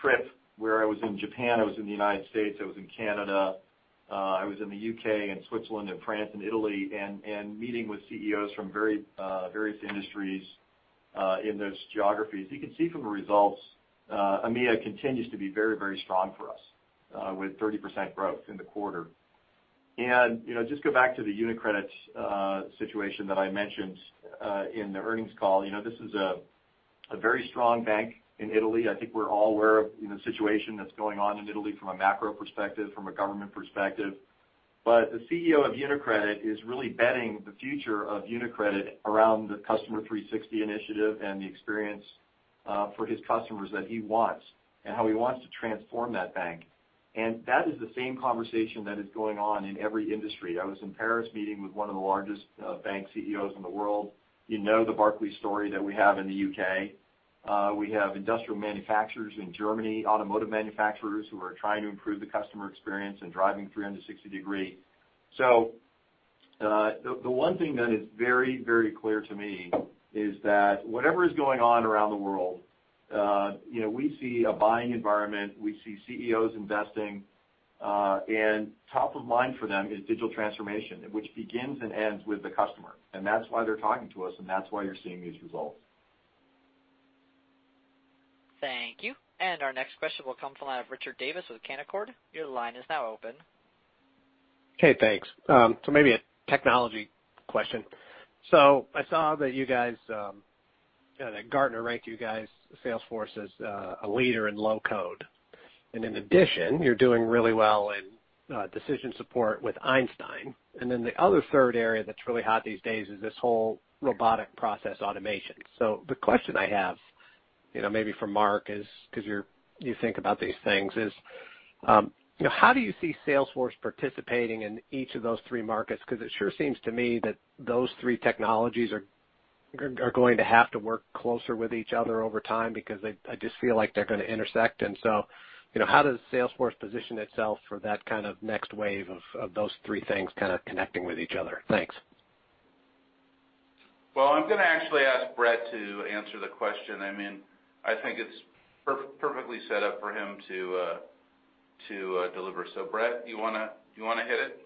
[SPEAKER 4] trip where I was in Japan, I was in the United States, I was in Canada, I was in the U.K., and Switzerland, and France, and Italy, and meeting with CEOs from various industries in those geographies. You can see from the results, EMEA continues to be very strong for us, with 30% growth in the quarter. Just go back to the UniCredit situation that I mentioned in the earnings call. This is a very strong bank in Italy. I think we're all aware of the situation that's going on in Italy from a macro perspective, from a government perspective. The CEO of UniCredit is really betting the future of UniCredit around the Customer 360 initiative and the experience for his customers that he wants and how he wants to transform that bank. That is the same conversation that is going on in every industry. I was in Paris meeting with one of the largest bank CEOs in the world. You know the Barclays story that we have in the U.K. We have industrial manufacturers in Germany, automotive manufacturers who are trying to improve the customer experience and driving 360 degree. The one thing that is very clear to me is that whatever is going on around the world, we see a buying environment, we see CEOs investing, and top of mind for them is digital transformation, which begins and ends with the customer. That's why they're talking to us, and that's why you're seeing these results.
[SPEAKER 1] Thank you. Our next question will come from the line of Richard Davis with Canaccord. Your line is now open.
[SPEAKER 13] Okay, thanks. Maybe a technology question. I saw that Gartner ranked you guys, Salesforce, as a leader in low-code. In addition, you're doing really well in decision support with Einstein. The other third area that's really hot these days is this whole robotic process automation. The question I have, maybe for Mark, because you think about these things, is how do you see Salesforce participating in each of those three markets? It sure seems to me that those three technologies are going to have to work closer with each other over time, because I just feel like they're going to intersect. How does Salesforce position itself for that kind of next wave of those three things kind of connecting with each other? Thanks.
[SPEAKER 3] Well, I'm going to actually ask Bret to answer the question. I think it's perfectly set up for him to deliver. Bret, do you want to hit it?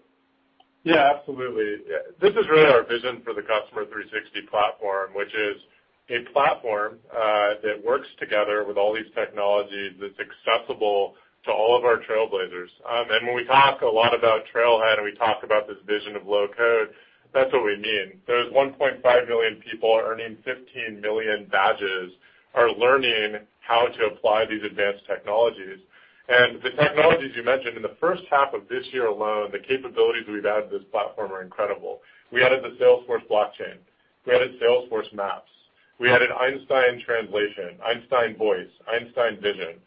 [SPEAKER 9] Yeah, absolutely. This is really our vision for the Customer 360 platform, which is a platform that works together with all these technologies, that's accessible to all of our trailblazers. When we talk a lot about Trailhead, and we talk about this vision of low-code, that's what we mean. Those 1.5 million people earning 15 million badges are learning how to apply these advanced technologies. The technologies you mentioned, in the first half of this year alone, the capabilities we've added to this platform are incredible. We added the Salesforce Blockchain. We added Salesforce Maps. We added Einstein Translation, Einstein Voice, Einstein Vision.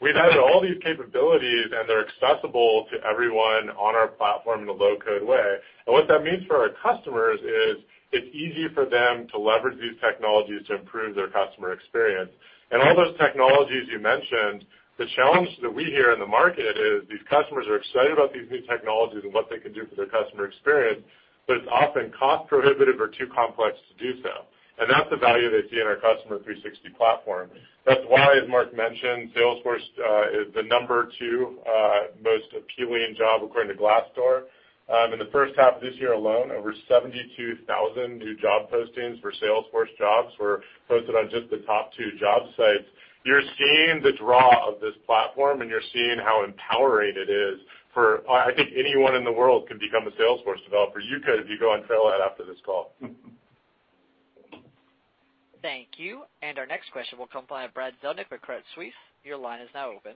[SPEAKER 9] We've added all these capabilities, and they're accessible to everyone on our platform in a low-code way. What that means for our customers is, it's easy for them to leverage these technologies to improve their customer experience. All those technologies you mentioned, the challenge that we hear in the market is these customers are excited about these new technologies and what they can do for their customer experience, but it's often cost prohibitive or too complex to do so. That's the value they see in our Customer 360 platform. That's why, as Mark mentioned, Salesforce is the number two most appealing job according to Glassdoor. In the first half of this year alone, over 72,000 new job postings for Salesforce jobs were posted on just the top two job sites. You're seeing the draw of this platform, and you're seeing how empowering it is for, I think anyone in the world could become a Salesforce developer. You could, if you go on Trailhead after this call.
[SPEAKER 1] Thank you. Our next question will come by Brad Zelnick with Credit Suisse. Your line is now open.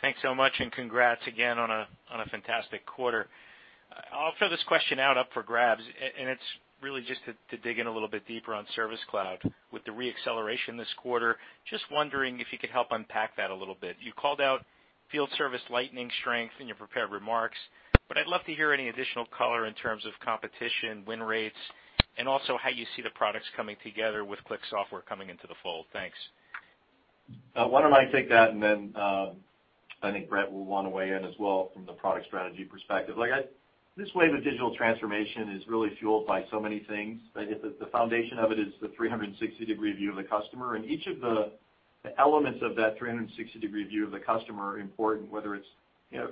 [SPEAKER 14] Thanks so much, and congrats again on a fantastic quarter. I'll throw this question out, up for grabs, and it's really just to dig in a little bit deeper on Service Cloud. With the re-acceleration this quarter, just wondering if you could help unpack that a little bit. You called out Field Service Lightning strength in your prepared remarks, but I'd love to hear any additional color in terms of competition, win rates, and also how you see the products coming together with ClickSoftware coming into the fold. Thanks.
[SPEAKER 4] Why don't I take that, and then I think Bret will want to weigh in as well from the product strategy perspective. This wave of digital transformation is really fueled by so many things, but the foundation of it is the 360-degree view of the customer, and each of the elements of that 360-degree view of the customer are important.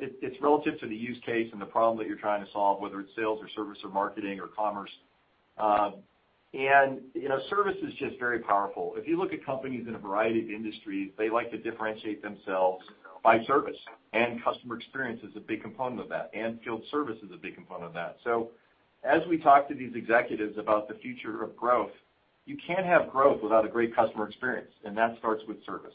[SPEAKER 4] It's relative to the use case and the problem that you're trying to solve, whether it's Sales or Service or Marketing or Commerce. Service is just very powerful. If you look at companies in a variety of industries, they like to differentiate themselves by Service, and customer experience is a big component of that, and field service is a big component of that. As we talk to these executives about the future of growth, you can't have growth without a great customer experience, and that starts with Service.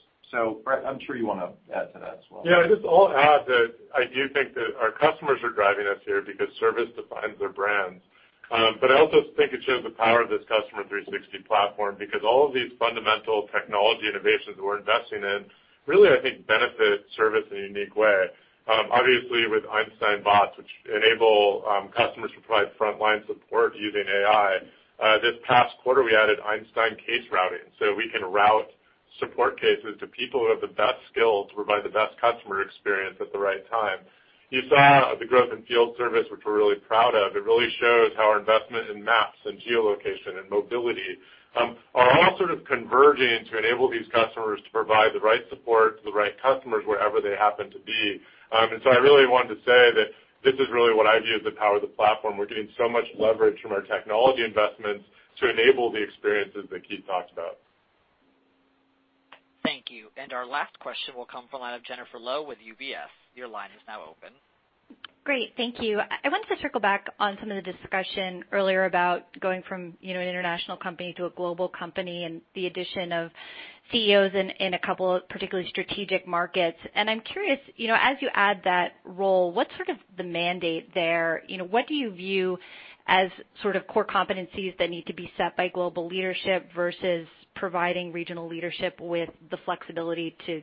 [SPEAKER 4] Bret, I'm sure you want to add to that as well.
[SPEAKER 9] Yeah, I just all add that I do think that our customers are driving us here because service defines their brands. I also think it shows the power of this Customer 360 platform because all of these fundamental technology innovations we're investing in really, I think, benefit service in a unique way. Obviously, with Einstein Bots, which enable customers to provide frontline support using AI. This past quarter, we added Einstein Case Routing, so we can route support cases to people who have the best skills to provide the best customer experience at the right time. You saw the growth in field service, which we're really proud of. It really shows how our investment in maps and geolocation and mobility are all sort of converging to enable these customers to provide the right support to the right customers wherever they happen to be. I really wanted to say that this is really what I view as the power of the platform. We're getting so much leverage from our technology investments to enable the experiences that Keith talked about.
[SPEAKER 1] Thank you. Our last question will come from the line of Jennifer Lowe with UBS. Your line is now open.
[SPEAKER 15] Great. Thank you. I wanted to circle back on some of the discussion earlier about going from an international company to a global company and the addition of CEOs in a couple of particularly strategic markets. I'm curious, as you add that role, what's sort of the mandate there? What do you view as sort of core competencies that need to be set by global leadership versus providing regional leadership with the flexibility to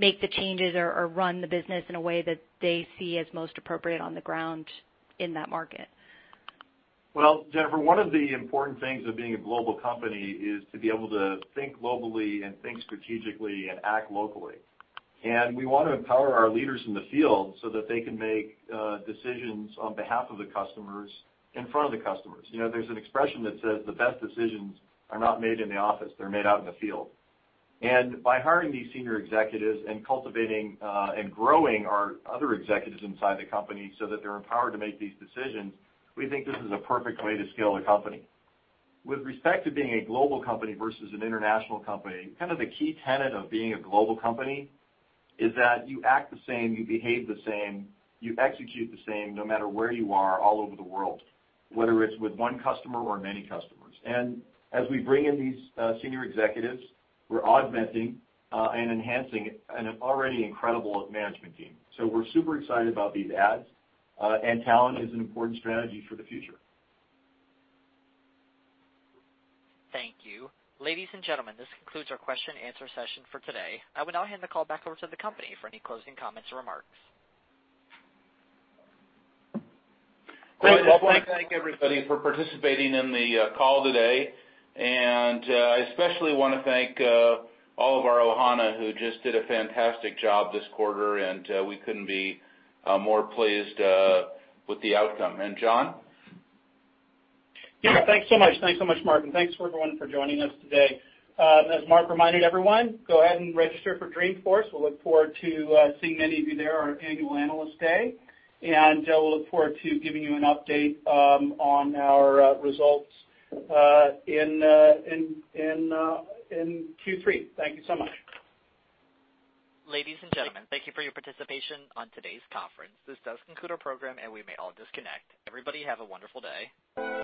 [SPEAKER 15] make the changes or run the business in a way that they see as most appropriate on the ground in that market?
[SPEAKER 4] Well, Jennifer, one of the important things of being a global company is to be able to think globally and think strategically and act locally. We want to empower our leaders in the field so that they can make decisions on behalf of the customers in front of the customers. There's an expression that says, "The best decisions are not made in the office. They're made out in the field." By hiring these senior executives and cultivating and growing our other executives inside the company so that they're empowered to make these decisions, we think this is a perfect way to scale the company. With respect to being a global company versus an international company, kind of the key tenet of being a global company is that you act the same, you behave the same, you execute the same, no matter where you are all over the world, whether it's with one customer or many customers. As we bring in these senior executives, we're augmenting and enhancing an already incredible management team. We're super excited about these adds. Talent is an important strategy for the future.
[SPEAKER 1] Thank you. Ladies and gentlemen, this concludes our question and answer session for today. I will now hand the call back over to the company for any closing comments or remarks.
[SPEAKER 4] Great. Well, I want to thank everybody for participating in the call today. I especially want to thank all of our Ohana who just did a fantastic job this quarter, and we couldn't be more pleased with the outcome. John?
[SPEAKER 2] Yeah. Thanks so much. Thanks so much, Mark, and thanks for everyone for joining us today. As Mark reminded everyone, go ahead and register for Dreamforce. We'll look forward to seeing many of you there, our annual Analyst Day, and we'll look forward to giving you an update on our results in Q3. Thank you so much.
[SPEAKER 1] Ladies and gentlemen, thank you for your participation on today's conference. This does conclude our program, and we may all disconnect. Everybody have a wonderful day.